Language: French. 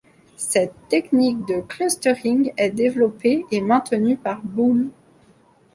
Cette technique de clustering est développée et maintenue par Bull.